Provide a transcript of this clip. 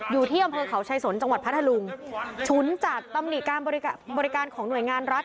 อยู่ที่อำเภอเขาชายสนจังหวัดพัทธลุงฉุนจัดตำหนิการบริการของหน่วยงานรัฐ